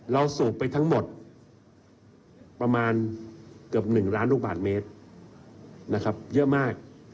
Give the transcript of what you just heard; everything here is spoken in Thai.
สูบไปทั้งหมดประมาณเกือบ๑ล้านลูกบาทเมตรนะครับเยอะมาก